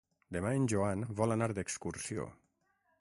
Demà en Joan vol anar d'excursió.